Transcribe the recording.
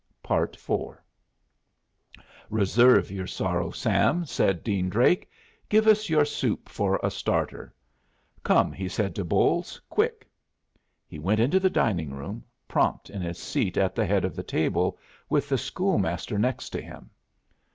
IV "Reserve your sorrow, Sam," said Dean Drake. "Give us your soup for a starter. Come," he said to Bolles. "Quick." He went into the dining room, prompt in his seat at the head of the table, with the school master next to him.